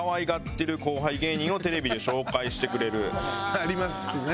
ありますね。